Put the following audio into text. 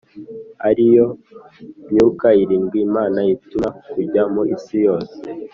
ari yo Myuka irindwi y’Imana itumwa kujya mu isi yose.